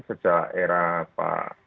sejak era pak